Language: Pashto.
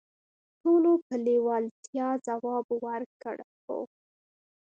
ټولو په لیوالتیا ځواب ورکړ: "هو".